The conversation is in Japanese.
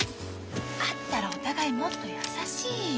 あったらお互いもっと優しいよ。